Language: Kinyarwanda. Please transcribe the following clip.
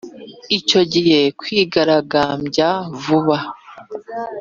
ucyo gihe kwigaragabye vuba